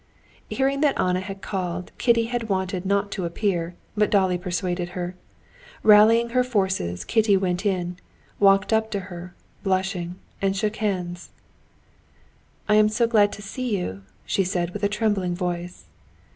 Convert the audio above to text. Hearing that Anna had called, Kitty had wanted not to appear, but Dolly persuaded her. Rallying her forces, Kitty went in, walked up to her, blushing, and shook hands. "I am so glad to see you," she said with a trembling voice.